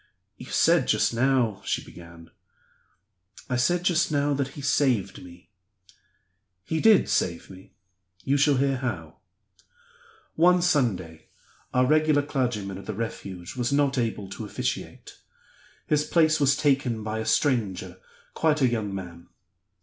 "You said just now " she began. "I said just now that he saved me. He did save me; you shall hear how. One Sunday our regular clergyman at the Refuge was not able to officiate. His place was taken by a stranger, quite a young man.